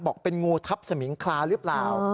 เป็นงูทับสมิงคลาหรือเปล่า